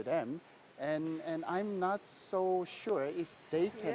bagi mereka dan saya tidak yakin